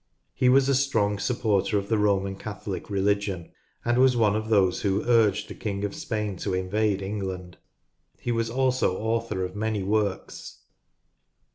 He was a strong supporter of the Roman Catholic religion, and was one of those who urged the King of Spain to invade England. He was also author of many works.